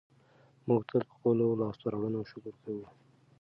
موږ تل په خپلو لاسته راوړنو شکر کوو.